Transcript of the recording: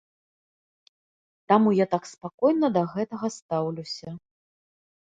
Таму я так спакойна да гэтага стаўлюся.